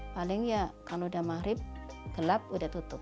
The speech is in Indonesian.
paling ya kalau udah mahrib gelap udah tutup